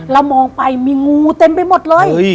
เรามองไปมีงูเต็มไปหมดเลย